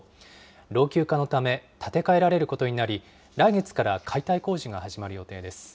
老朽化のため、建て替えられることになり、来月から解体工事が始まる予定です。